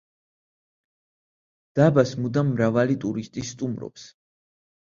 დაბას მუდამ მრავალი ტურისტი სტუმრობს.